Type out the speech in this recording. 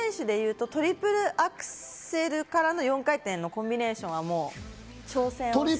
宇野選手でいうとトリプルアクセルからの４回転のコンビネーションはもう挑戦を。